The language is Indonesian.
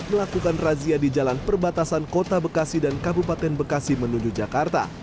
melakukan razia di jalan perbatasan kota bekasi dan kabupaten bekasi menuju jakarta